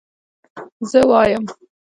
زه وايم